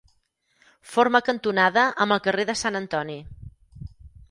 Forma cantonada amb el carrer de Sant Antoni.